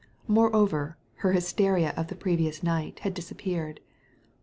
Moreover, her hysteria of the previous night had disappeared.